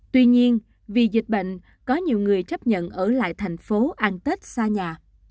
tuy nhiên vì dịch bệnh có nhiều người chấp nhận ở lại thành phố ăn tết xa nhà